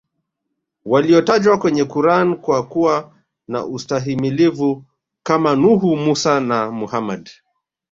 walio tajwa kwenye Quran kwa kuwa na ustahimilivu Kama nuhu mussa na Muhammad